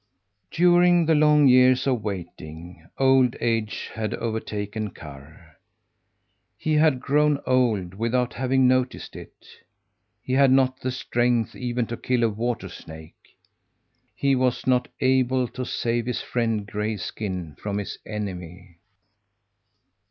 During the long years of waiting, old age had overtaken Karr. He had grown old without having noticed it. He had not the strength even to kill a water snake. He was not able to save his friend Grayskin from his enemy.